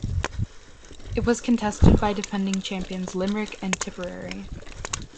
It was contested by defending champions Limerick and Tipperary.